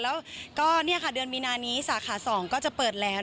แล้วก็เดือนมีนานี้สาขา๒ก็จะเปิดแล้ว